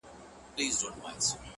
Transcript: o وي د غم اوږدې كوڅې په خامـوشۍ كي،